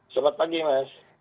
selamat pagi mas